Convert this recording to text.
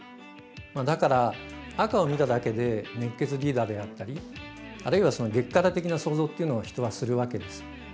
だから赤を見ただけで熱血リーダーであったりあるいは激辛的な想像っていうのを人はするわけです。